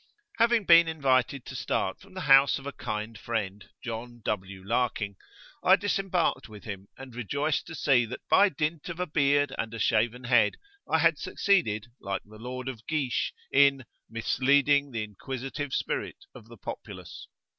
[FN#8] Having been invited to start from the house of a kind friend, John W. Larking, I disembarked with him, and [p.8]rejoiced to see that by dint of a beard and a shaven head I had succeeded, like the Lord of Geesh, in "misleading the inquisitive spirit of the populace."